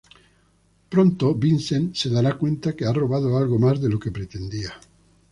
Pronto Vincent se dará cuenta que ha robado algo más de lo que pretendía.